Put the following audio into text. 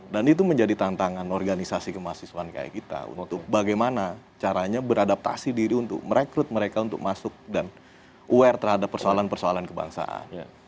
dan itu menjadi tantangan organisasi kemahasiswaan kayak kita untuk bagaimana caranya beradaptasi diri untuk merekrut mereka untuk masuk dan aware terhadap persoalan persoalan kebangsaan